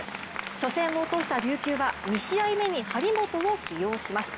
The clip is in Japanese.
初戦を落とした琉球は２試合目に張本を起用します。